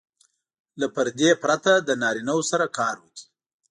له پردې پرته له نارینه وو سره کار وکړي.